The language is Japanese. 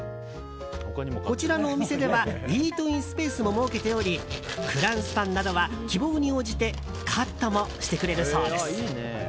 こちらのお店ではイートインスペースも設けておりフランスパンなどは希望に応じてカットもしてくれるそうです。